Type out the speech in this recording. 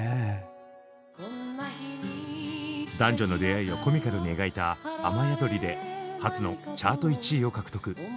男女の出会いをコミカルに描いた「雨やどり」で初のチャート１位を獲得。